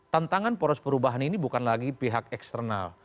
tantangan poros perubahan ini bukan lagi pihak eksternal